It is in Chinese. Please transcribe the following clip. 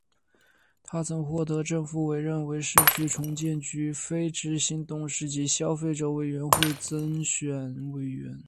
他曾获政府委任为市区重建局非执行董事及消费者委员会增选委员。